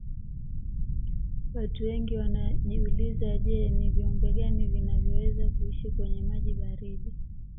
Watu wengi wanajiuliza je ni viumbe gani vinavyoweza kuishi kwenye maji baridi